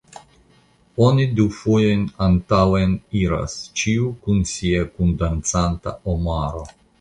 Oni du fojojn antaŭen iras, ĉiu kun sia kundancanta omaro.